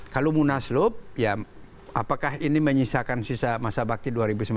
kalau munaslup ya apakah ini menyisakan sisa masa bakti dua ribu sembilan belas